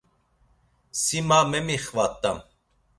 Si ma memixvat̆am.